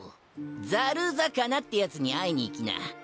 ザル魚ってヤツに会いに行きな。